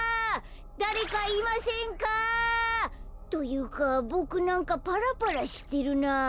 だれかいませんか？というかボクなんかパラパラしてるなぁ。